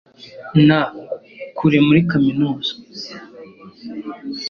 n kure muri kaminuza.